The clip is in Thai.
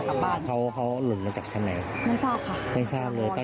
แล้วเราพักอยู่ห้องอะไรครับ